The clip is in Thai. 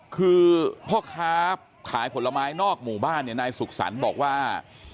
คือพ่อค้าขายผลไม้นอกหมู่บ้านเนี่ยนายสุขสรรค์บอกว่า